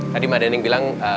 tadi mada yang bilang